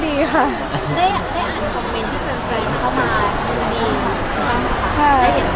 ได้เห็นลียง